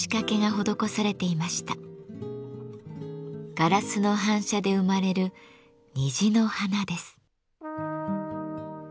ガラスの反射で生まれる「虹の花」です。